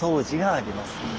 あります。